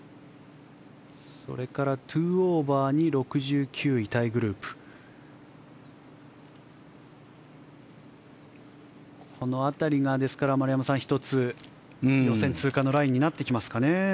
それから２オーバーに６９位タイグループこの辺りが丸山さん１つ、予選通過のラインになってきますかね。